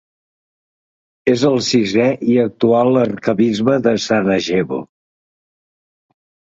És el sisè i actual arquebisbe de Sarajevo.